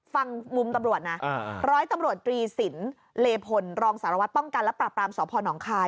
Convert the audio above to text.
ฟังมุมตำรวจนะร้อยตำรวจตรีสินเลพลรองสารวัตรป้องกันและปรับปรามสพนคาย